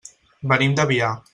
Venim de Biar.